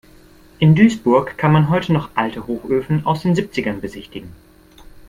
In Duisburg kann man heute noch alte Hochöfen aus den Siebzigern besichtigen.